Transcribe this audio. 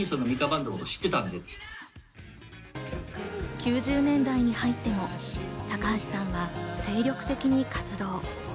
９０年代に入っても高橋さんは精力的に活動。